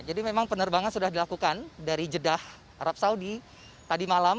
jadi memang penerbangan sudah dilakukan dari jedah arab saudi tadi malam